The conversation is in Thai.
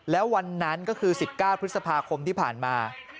แล้ววันนั้นก็คือ๑๙พฤษภาคมที่ผ่านมา